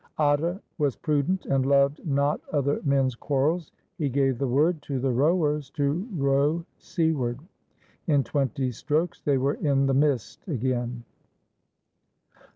Atta was prudent, and loved not other men's quarrels. He gave the word to the rowers to row seaward. In twenty strokes they were in the mist again.